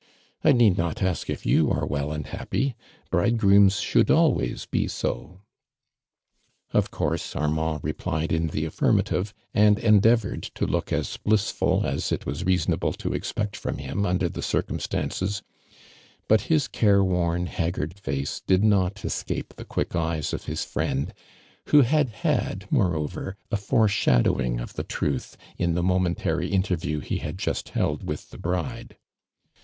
I need not ask if you are well and hapjiy — bridegrooms should always be so." Of course! Armand replied in the aflBrma tivo and endeavored to look as blissful as it was reasonable to expect from him undei the circumstances, but his careworn, hag gard face did not escape the quick eyes of his friend, who had had, moreover, a fore shadowing of the truth in the momentary interview he had just held with the bride.